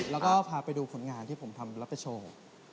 แล้วก็พาไปดูผลงานที่ผมทำแล้วไปโชว์